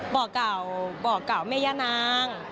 บอกเก่าบอกเก่าแม่ย่านาง